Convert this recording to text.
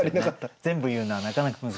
全部言うのはなかなか難しい。